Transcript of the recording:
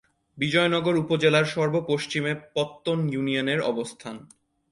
বিজয়নগর উপজেলার সর্ব-পশ্চিমে পত্তন ইউনিয়নের অবস্থান।